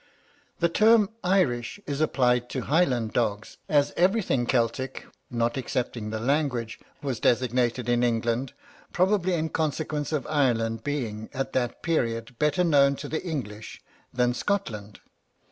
The term Irish is applied to Highland dogs, as everything Celtic (not excepting the language) was designated in England; probably in consequence of Ireland being, at that period, better known to the English than Scotland.